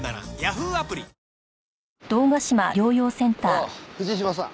あっ藤島さん。